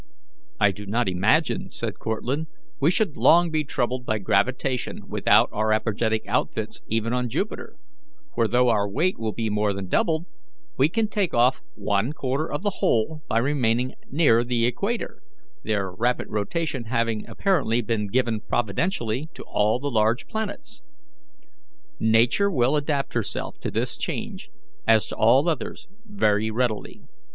"I do not imagine," said Cortlandt, "we should long be troubled by gravitation without our apergetic outfits even on Jupiter, for, though our weight will be more than doubled, we can take off one quarter of the whole by remaining near the equator, their rapid rotation having apparently been given providentially to all the large planets. Nature will adapt herself to this change, as to all others, very readily.